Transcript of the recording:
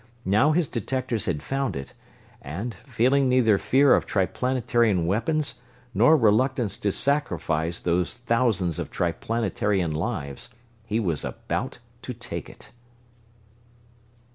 Now his detectors had found it; and, feeling neither fear of Triplanetarian weapons nor reluctance to sacrifice those thousands of Triplanetarian lives, he was about to take it!